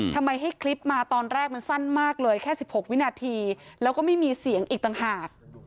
ทำไมให้คลิปมาตอนแรกมันสั้นมากเลยแค่๑๖วินาทีแล้วก็ไม่มีเสียงอีกต่างหาก